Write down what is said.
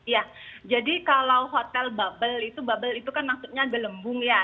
ya jadi kalau hotel bubble itu bubble itu kan maksudnya gelembung ya